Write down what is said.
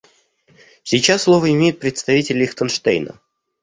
Сейчас слово имеет представитель Лихтенштейна.